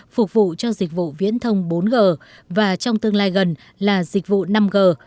phục vụ cho dịch vụ viễn thông bốn g và trong tương lai gần là dịch vụ năm g